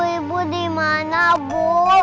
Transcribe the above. ibu dimana bu